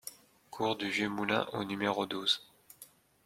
Cours du Vieux Moulin au numéro douze